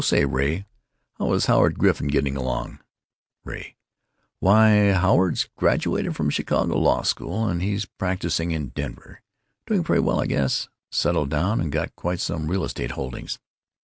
Oh, say, Ray, how is Howard Griffin getting along?" Ray: "Why, Howard's graduated from Chicago Law School, and he's practising in Denver. Doing pretty well, I guess; settled down and got quite some real estate holdings....